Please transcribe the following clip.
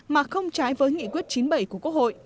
mà không trái với nghị quyết chín mươi bảy của quốc hội